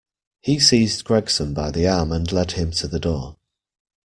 He seized Gregson by the arm and led him to the door.